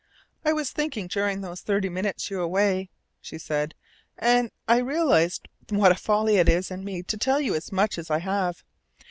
"I was thinking during those thirty minutes you away," she said. "And I realized what folly it was in me to tell you as much as I have.